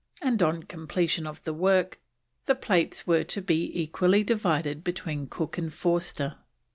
and, on completion of the work, the plates were to be equally divided between Cook and Forster.